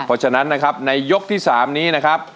เพราะฉะนั้นนะครับในยกที่๓นี้นะครับ